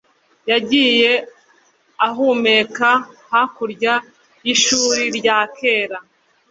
yagiye ahumeka hakurya y'ishuri rya kera